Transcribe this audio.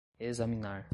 examinar